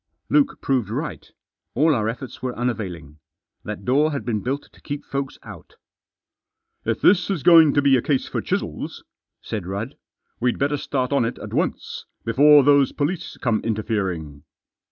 Luke proved right. All our efforts were unavailing. That door had been built to keep folks out " If this is going to be a case for chisels," said Rudd, " we'd better start on it at once, before those police come interfering."